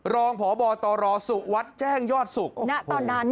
รองผบตรศุวรรษแจ้งยอดศุกร์ณตอนนั้น